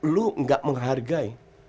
lu gak menghargai